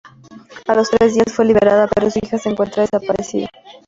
A los tres días, fue liberada, pero su hija se encuentra desaparecida.